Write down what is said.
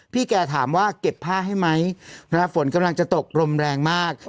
แกถามว่าเก็บผ้าให้ไหมฝนกำลังจะตกลมแรงมาก